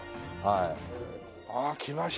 ああきました。